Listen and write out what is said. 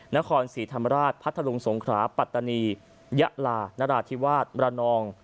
นครศรีธรรมราชพัทธลุงสงขราปัตตานียะลานราธิวาสมระนอง